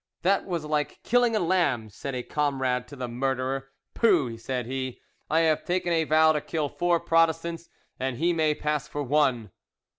"That was like killing a lamb," said a comrade to the murderer. "Pooh!" said he, "I have taken a vow to kill four Protestants, and he may pass for one."